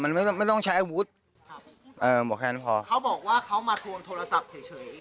มันไม่ต้องไม่ต้องใช้อาวุธครับเอ่อบอกแค่นั้นพอเขาบอกว่าเขามาทวงโทรศัพท์เฉยเฉย